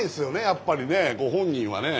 やっぱりねご本人はね。